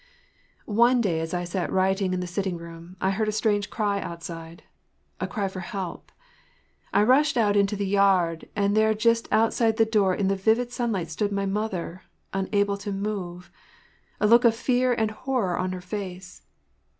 One day as I sat writing in the sitting room I heard a strange cry outside—a cry for help. I rushed out into the yard, and there just outside the door in the vivid sunlight stood my mother, unable to move—a look of fear and horror on her face.